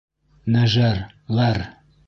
Нәжәр ғәр.